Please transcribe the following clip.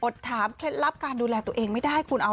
ถามเคล็ดลับการดูแลตัวเองไม่ได้คุณเอา